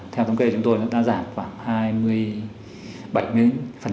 theo thống kê chúng tôi nó đã giảm khoảng hai mươi bảy tám mươi